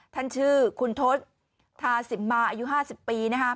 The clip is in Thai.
ท่านชื่อคุณทศทาสิมมาอายุ๕๐ปี